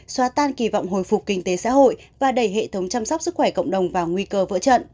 xóa tan kỳ vọng hồi phục kinh tế xã hội và đẩy hệ thống chăm sóc sức khỏe cộng đồng vào nguy cơ vỡ trận